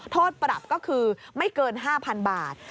โทษปรับก็คือไม่เกิน๕๐๐๐บาท